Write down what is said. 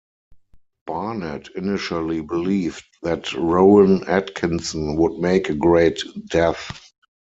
Barnett initially believed that Rowan Atkinson "would make a great Death".